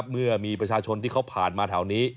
เมื่อมีประชาชนที่เขาผ่านมาแถวนี้